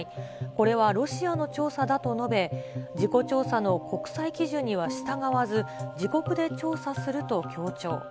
これはロシアの調査だと述べ、事故調査の国際基準には従わず、自国で調査すると強調。